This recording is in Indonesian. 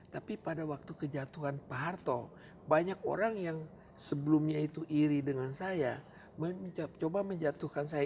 tapi pada waktu kejatuhan pak harto banyak orang yang sebelumnya itu iri dengan saya mencoba menjatuhkan saya